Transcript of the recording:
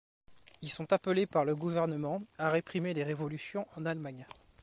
Ils sont appelés par le gouvernement à réprimer les révolutions en Allemagne.